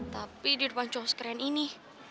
tapi di depan cowok sekeren ini